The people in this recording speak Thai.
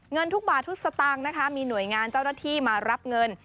เงินทุกบาททุกสตางค์นะคะมีหน่วยงานเจ้าหน้าที่มารับเงิน